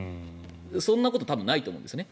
そんなことないと思うんですね。